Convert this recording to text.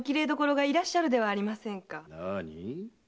何？